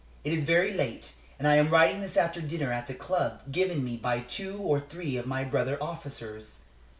It is very late, and I am writing this after a dinner at the club given me by two or three of my brother officers.